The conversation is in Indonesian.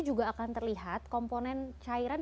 juga akan terlihat komponen cairan